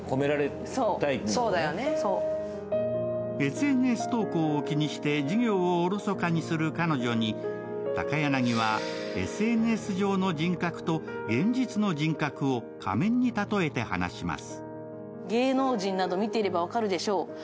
ＳＮＳ投稿を気にして授業をおろそかにする彼女に、高柳は、ＳＮＳ上の人格と現実の人格を仮面に例えて話します。